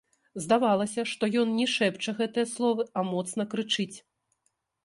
Здавалася, што ён не шэпча гэтыя словы, а моцна крычыць.